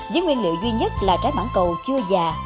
với nguyên liệu duy nhất là trái bảng cầu chưa già